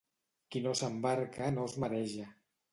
Qui no s'embarca no es mareja.